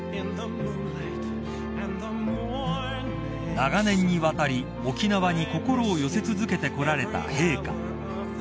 ［長年にわたり沖縄に心を寄せ続けてこられた陛下］